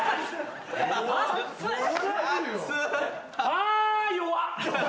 あ弱っ。